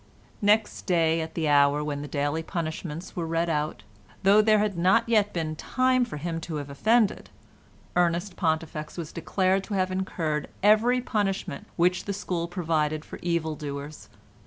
Next day at the hour when the daily punishments were read out, though there had not yet been time for him to have offended, Ernest Pontifex was declared to have incurred every punishment which the school provided for evil doers.